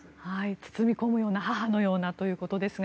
包み込むような母のようなということですが。